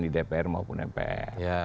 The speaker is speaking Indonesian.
di dpr maupun mpr